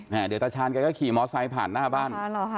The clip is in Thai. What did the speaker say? เดี๋ยวตาชาญแกก็ขี่มอไซค์ผ่านหน้าบ้าน